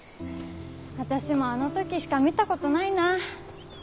私もあの時しか見たことないな。